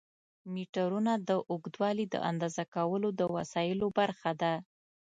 میټرونه د اوږدوالي د اندازه کولو د وسایلو برخه ده.